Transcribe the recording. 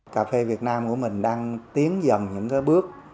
cà phê việt nam của mình đang tiến dần những cái bước